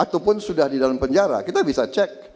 ataupun sudah di dalam penjara kita bisa cek